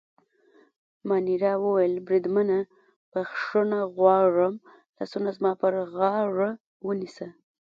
مانیرا وویل: بریدمنه، بخښنه غواړم، لاسونه زما پر غاړه ونیسه.